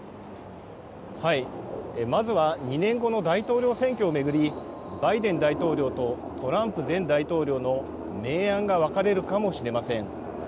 まずは２年後の大統領選挙を巡り、バイデン大統領とトランプ前大統領の明暗が分かれるかもしれません。